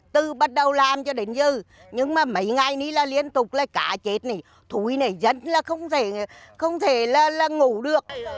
từ bắt đầu làm cho đến giờ nhưng mà mấy ngày này là liên tục là cá chết này thúi này dân là không thể là ngủ được